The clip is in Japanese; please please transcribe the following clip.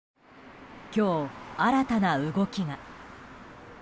今日、新たな動きが。